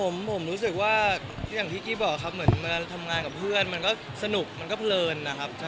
ผมรู้สึกว่าอย่างที่กี้บอกครับเหมือนมาทำงานกับเพื่อนมันก็สนุกมันก็เพลินนะครับ